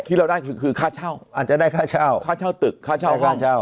ที่เราได้คือค่าเช่าอาจจะได้ค่าเช่าค่าเช่าตึกค่าเช่าค่าเช่า